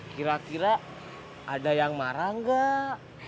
kira kira ada yang marah enggak